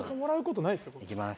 いきます。